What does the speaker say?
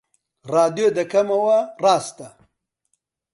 ڕادیۆ دەکەمەوە، ڕاستە